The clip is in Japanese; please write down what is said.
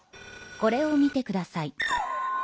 これを見てください。